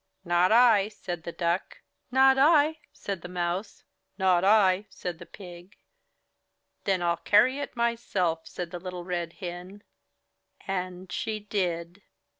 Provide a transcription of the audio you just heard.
"Not I," said the Duck. "Not I," said the Mouse. "Not I," said the Pig. "Then Til carry it myself," said Little Red Hen. And she did.